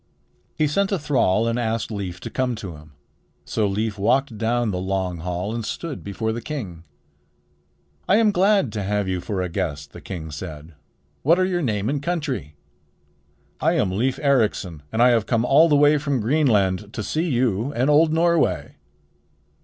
He sent a thrall and asked Leif to come to him. So Leif walked down the long hall and stood before the king. "I am glad to have you for a guest," the king said. "What are your name and country?" "I am Leif Ericsson, and I have come all the way from Greenland to see you and old Norway."